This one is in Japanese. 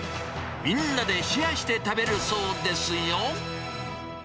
みんなでシェアして食べるそうですよ。